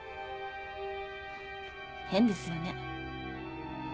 変ですよね。